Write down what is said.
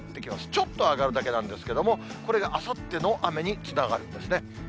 ちょっと上がるだけなんですけども、これがあさっての雨につながるんですね。